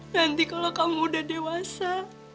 nanti kalau kamu udah dewasa